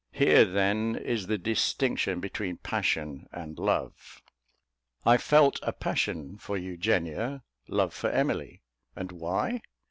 Here, then, is the distinction between passion and love. I felt a passion for Eugenia, love for Emily. And why?